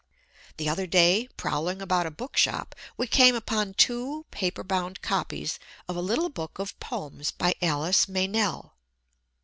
The other day, prowling about a bookshop, we came upon two paper bound copies of a little book of poems by Alice Meynell.